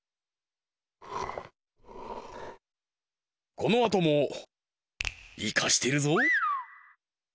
このあともイカしてるぞ！